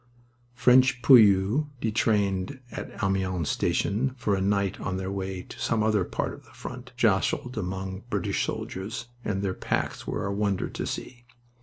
French poilus, detrained at Amiens station for a night on their way to some other part of the front, jostled among British soldiers, and their packs were a wonder to see.